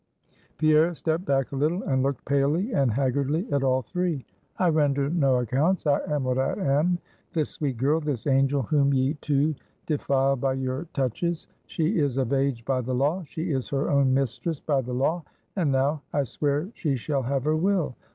Pierre stepped back a little, and looked palely and haggardly at all three. "I render no accounts: I am what I am. This sweet girl this angel whom ye two defile by your touches she is of age by the law: she is her own mistress by the law. And now, I swear she shall have her will!